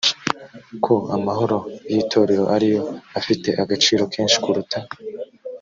ko amahoro y itorero ari yo afite agaciro kenshi kuruta